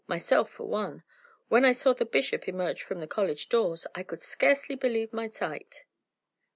"Myself for one. When I saw the bishop emerge from the college doors, I could scarcely believe my sight."